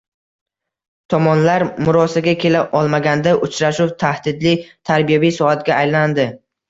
Tomonlar murosaga kela olmaganda, uchrashuv tahdidli "tarbiyaviy soat" ga aylandi